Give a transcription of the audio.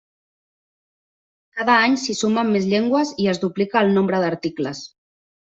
Cada any s'hi sumen més llengües i es duplica el nombre d'articles.